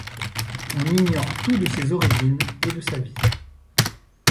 On ignore tout de ses origines et de sa vie.